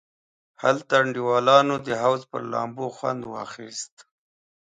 هلته انډیوالانو د حوض پر لامبو خوند واخیست.